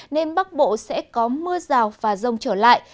nên bắc bộ sẽ có mưa rào và rông trở lại